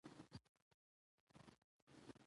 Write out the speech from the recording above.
او هغو چې پر تا باندي نازل شوي كتاب هم ايمان راوړي